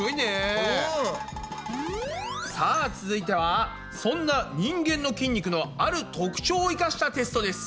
さあ続いてはそんな人間の筋肉のある特徴を生かしたテストです。